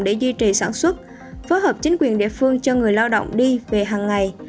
để duy trì sản xuất phối hợp chính quyền địa phương cho người lao động đi về hằng ngày